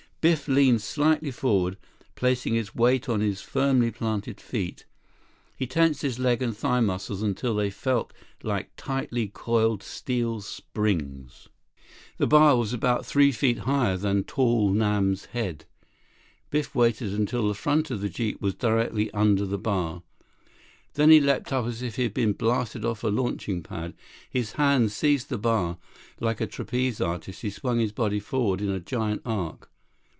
Biff leaned slightly forward, placing his weight on his firmly planted feet. He tensed his leg and thigh muscles until they felt like tightly coiled steel springs. 33 The bar was about three feet higher than tall Nam's head. Biff waited until the front of the jeep was directly under the bar. Then he leaped up as if he'd been blasted off a launching pad. His hands seized the bar. Like a trapeze artist, he swung his body forward in a giant arc.